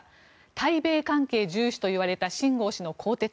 対米関係重視といわれたシン・ゴウ氏の更迭。